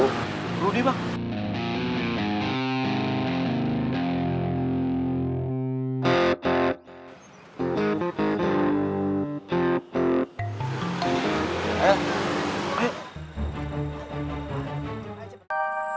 pun nggak berani gak statistics